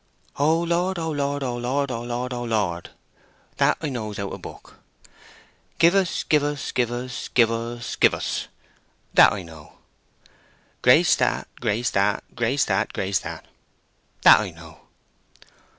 "'O Lord, O Lord, O Lord, O Lord, O Lord':—that I know out o' book. 'Give us, give us, give us, give us, give us':—that I know. 'Grace that, grace that, grace that, grace that':—that I know."